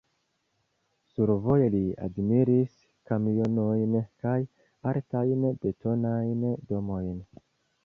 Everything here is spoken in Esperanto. Survoje li admiris kamionojn kaj altajn betonajn domojn.